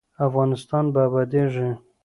افغانستان به ابادیږي؟